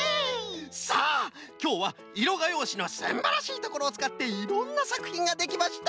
さあきょうはいろがようしのすんばらしいところをつかっていろんなさくひんができました。